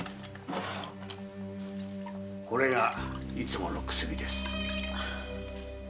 これがいつもの薬です。